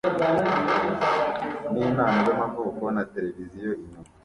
nimpano zamavuko na tereviziyo inyuma